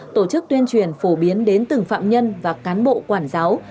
tổ chức tuyên truyền phổ biến đến từng phạm nhân và cán bộ quản giáo